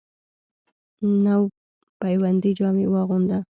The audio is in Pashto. نو پیوندي جامې واغوندۀ،